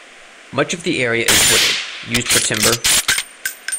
Much of the area is wooded, used for timber.